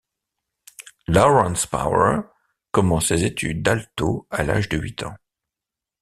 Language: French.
Lawrence Power commence ses études d'alto à l'âge de huit ans.